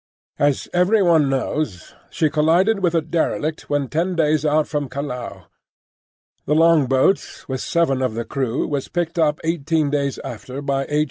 As everyone knows, she collided with a derelict when ten days out from Callao. The longboat, with seven of the crew, was picked up eighteen days after by H.